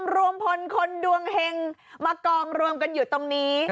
รวมพลคนดวงเฮงมากองรวมกันอยู่ตรงนี้